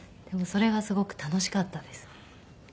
でもそれがすごく楽しかったですね。